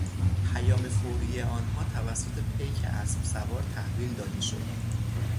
پیام فوری آنها توسط پیک اسب سوار تحویل داده شد.